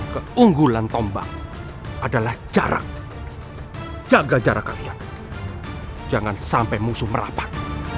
keunggulan tombang adalah jarak jaga jarak kalian jangan sampai musuh merapat